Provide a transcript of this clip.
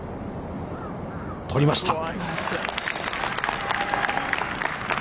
取りました。